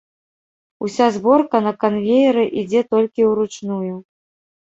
Уся зборка на канвееры ідзе толькі ўручную.